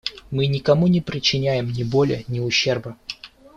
Мы никому не причиняем ни боли, ни ущерба.